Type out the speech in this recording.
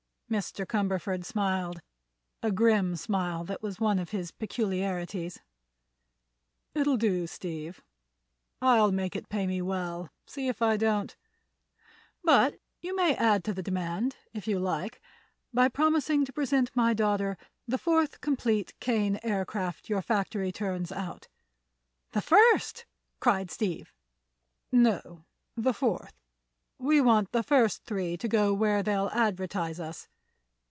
Mr. Cumberford smiled—a grim smile that was one of his peculiarities. "It'll do, Steve. I'll make it pay me well, see if I don't. But you may add to the demand, if you like, by promising to present my daughter the fourth complete Kane Aircraft your factory turns out." "The first!" cried Steve. "No, the fourth. We want the first three to go where they'll advertise us.